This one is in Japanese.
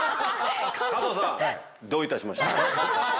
加藤さんどういたしまして。